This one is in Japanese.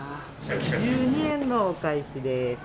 １２円のお返しです。